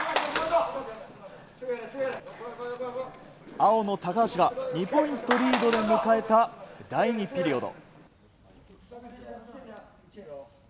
青の高橋が２ポイントリードで迎えた第２ピリオド。